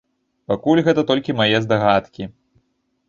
Пакуль гэта толькі мае здагадкі.